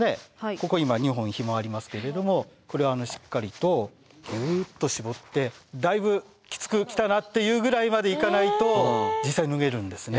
ここ今２本ひもありますけれどもこれをしっかりとギュッと絞ってだいぶきつくきたなっていうぐらいまでいかないと実際脱げるんですね。